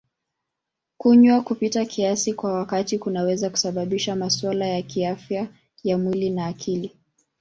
Kunywa kupita kiasi kwa wakati kunaweza kusababisha masuala ya kiafya ya mwili na akili.